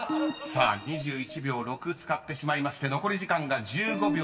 ［２１秒６使ってしまいまして残り時間が１５秒２］